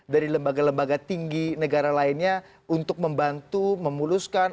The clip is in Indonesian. dari lembaga lembaga tinggi negara lainnya untuk membantu memuluskan